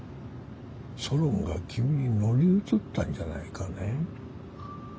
ソロンが君に乗り移ったんじゃないかね？